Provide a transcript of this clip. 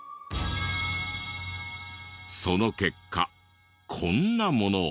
その結果こんなものを。